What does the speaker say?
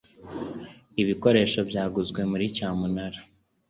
Ibikoresho byaguzwe muri cyamunara.